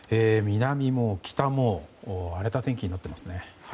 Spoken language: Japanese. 南も北も荒れた天気になっていますね。